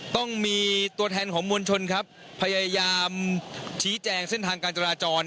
ต้องมีตัวแทนของมวลชนครับพยายามชี้แจงเส้นทางการจราจร